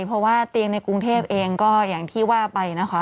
เพราะว่าเตียงในกรุงเทพเองก็อย่างที่ว่าไปนะคะ